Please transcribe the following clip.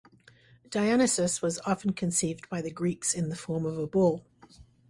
Dionysus was often conceived by the Greeks in the form of a bull.